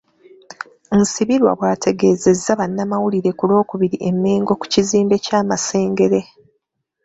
Nsibirwa bw'ategeezezza bannamawulire ku Lwokubiri e Mengo ku kizimbe kya Masengere.